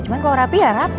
cuma kalau rapi ya rapi